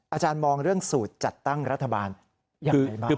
อาจารย์มองเรื่องสูตรจัดตั้งรัฐบาลอย่างไรบ้าง